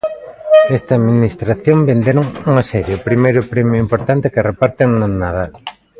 Nesta administración venderon unha serie, o primeiro premio importante que reparten no Nadal.